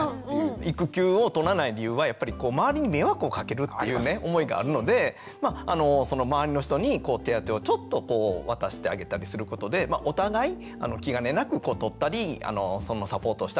育休を取らない理由はやっぱり周りに迷惑をかけるっていうね思いがあるので周りの人に手当をちょっと渡してあげたりすることでお互い気兼ねなく取ったりそのサポートをしたりっていうのね